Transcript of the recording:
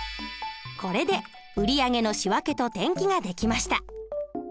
これで売上の仕訳と転記ができました。